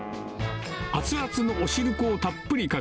熱々のおしるこをたっぷりか